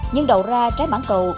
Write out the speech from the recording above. nhưng đầu ra trái mảng cầu